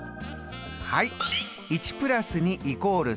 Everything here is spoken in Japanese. はい。